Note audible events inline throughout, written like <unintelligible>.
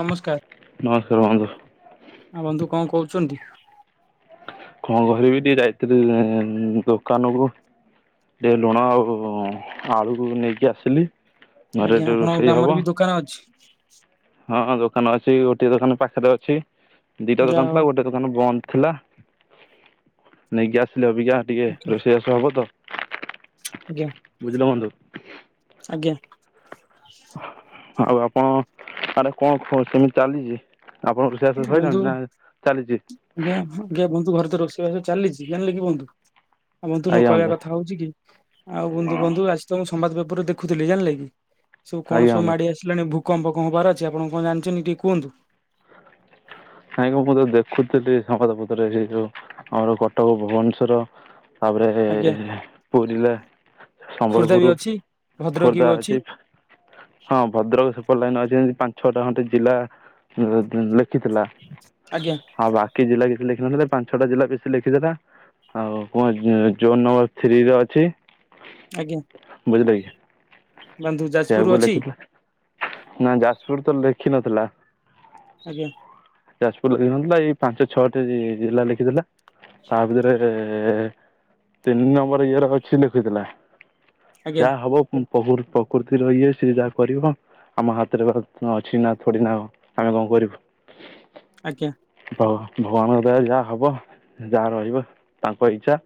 ନମସ୍କାର। ହ ବନ୍ଧୁ କଣ କହୁଛନ୍ତି? କଣ କରିବି ଟିକେ ଯାଇଥିଲି ଉ ଦୋକାନ କୁ। ଟିକେ ଲୁଣ ଆଉ ଆଳୁକୁ ନେଇକି ଆସିଲି ଘରେ ଆଜ୍ଞା ଟିକ ଆପଣଙ୍କ ରୋଷେଇ ଗ୍ରାମରେ ବି ହବ। ଦୋକାନ ଅଛି। ହଁ ଦୋକାନ ଅଛି ଗୋଟେ ଦୋକାନ ପାଖରେ ଅଛି ଦିଟା ଯାହା ଦୋକାନ ହଉ ଥିଲା ଗୋଟେ ଦୋକାନ ବନ୍ଦ ଥିଲା। ନେଇକି ଆସିଲି ଅବିକା ଟିକେ ରୋଷେଇ ବାସ ହବ ତ। ଆଜ୍ଞା। ବୁଝିଲେ ବନ୍ଧୁ। ଆଜ୍ଞା। ଆଉ ଆପଣ ଆରେ କଣ କଣ ସେମିତି ଚାଲିଛି ଆପଣଙ୍କ <unintelligible> ବନ୍ଧୁ ସଇଲାଣି ନା ଚାଲିଛି। ଆଜ୍ଞା ଆଜ୍ଞା ବନ୍ଧୁ ଘରେ ତ ରୋଷେଇବାସ ଚାଲିଛି ଜାଣିଲେ କି ବନ୍ଧୁ ଆଉ ବନ୍ଧୁ ମୋ କହିବା କଥା ହଉଚି କି ଆଉ ବନ୍ଧୁ ବନ୍ଧୁ ଆଜି ତ ମୁଁ ସମ୍ବାଦ ପେପରରେ ଦେଖୁଥିଲି ଜାଣିଲେ କି ସବୁ କଣ ଆଜ୍ଞା ସବୁ ବନ୍ଧୁ ମାଡି ଆସିଲ ତୁଲାଣି ଭୂକମ୍ପଣବାରଛି ଆପଣ କଣ ଜାଣିଛନ୍ତି ଟିକେ କୁହନ୍ତୁ? <inaudible> ନାଇଁ ମୁଁ ତ ଦେଖୁଥିଲି ସଂଙ୍କଦପତ୍ରରେ ସେ ଯୋଉ ଆମର କଟକ ଭୁବନେଶ୍ଵର ତାପରେ ଆଜ୍ଞା ପୁରିି ରେ ଖୋର୍ଦ୍ଧା ବି ସମ୍ବଲପୁର ଅଛି ଭଦ୍ରକ ବି ଖୋର୍ଦ୍ଧା ଅଛି। ହଁ ଭଦ୍ରକ ସୁପର ଲାଇନ ଅଛି ଯେମିତିପାଞ୍ଚ ଛଅଟା ଖଣ୍ଟେ ଜିଲ୍ଲା ଲେଖିଥିଲା। ଆଜ୍ଞା ହଉ ବା କି ଜିଲା କିଛି ଲେଖିିନଥିଲା ପାଞ୍ଚ ଛଅଟା ବେସି ଲେଖିଦେଲା। ଆଉ କଣ ଜୋନ୍ ନମ୍ବର ଥ୍ରୀରେ ଅଛି। ଆଜ୍ଞା। ବୁଝିଲେ କି। ବନ୍ଧୁ ସେ ଯାଜପୁର ଆଗକୁ ଅଛି ଲେଖିଥିଲା ନା ଯାଜପୁର ତ ଲେଖିନଥିଲା। ଆଜ୍ଞା। ଯାଜପୁର ଲେଖିିନଥିଲା ଏଇ ପାଞ୍ଚ ଛଅଟି ଯି ଜିଲ୍ଲା ଲେଖିଥିଲା। ତା ଭିତରେ ତିନି ନମ୍ବର ଇଏର ଅଛି ଲେଖୁଥିଲା। ଆଜ୍ଞା ଯାହା ହବ ପ <unintelligible> କୁର୍ତ୍ତିୀ ରଏ ସିଧା କରିବ ଆମ ହାତରେ ଅ ଅଛି ନା ଥଡି ନା ଆମେ କଣ କରିବୁ। ଆଜ୍ଞା। ବ ଭଗବାନଙ୍କ ଦୟା ଯାହା ହବ ଯାହା ରହିବ। ତାଙ୍କ ଇଚ୍ଛା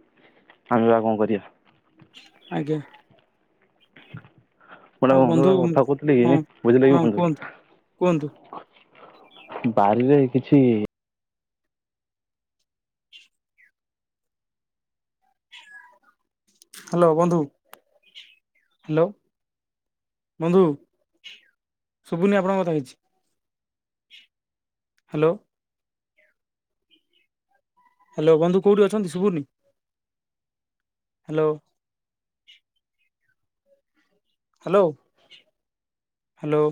ଆମେ ବା କଣ କରିବା। ଆଜ୍ଞା। ମୋଟେ ବନ୍ଧୁ ଗ କଥା କହୁଥିଲି ହଁ କି ବୁଝିଲେ କି ହଁ ବନ୍ଧୁ। କୁହନ୍ତୁ କୁହନ୍ତୁ ବାରିରେ କିଛି ହ୍ୟାଲୋ ବନ୍ଧୁ। ହାଲୋ ବନ୍ଧୁ ଶୁଭୁନି ଆପଣଙ୍କ କଥା କିଛି। ହାଲୋ। ହାଲୋ ବନ୍ଧୁ କୋଉଠି ଅଛନ୍ତି ସୁଭୁନି। ହାଲୋ। Hello hello.